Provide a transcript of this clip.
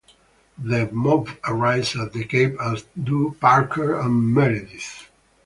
The mob arrives at the cave as do Parker and Meredith.